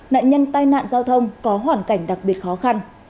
nạn nhân tai nạn giao thông có hoàn cảnh đặc biệt khó khăn